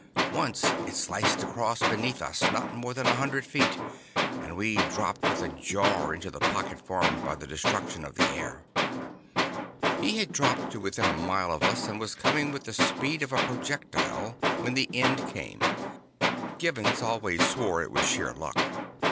Once it sliced across beneath us, not more than a hundred feet, and we dropped with a jar into the pocket formed by the destruction of the air. He had dropped to within a mile of us, and was coming with the speed of a projectile, when the end came. Gibbons always swore it was sheer luck.